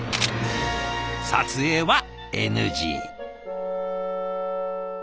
撮影はＮＧ。